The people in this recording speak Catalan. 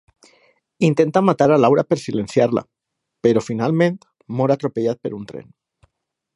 Intenta matar a Laura per silenciar-la; però finalment mor atropellat per un tren.